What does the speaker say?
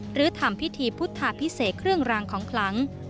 หรือทำพิธีพุทธาพิเศษเครื่องรางของคลัง